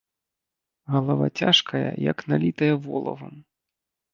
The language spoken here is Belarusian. Галава цяжкая, як налітая волавам.